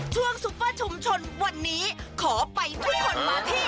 ซุปเปอร์ชุมชนวันนี้ขอไปทุกคนมาที่